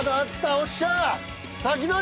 おっしゃ！